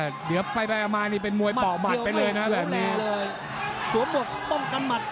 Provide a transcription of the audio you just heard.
เดี๋ยวไปมานี่เป็นมวยปอกหมัดไปเลยนะแบบนี้